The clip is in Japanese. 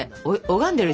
拝んでるし。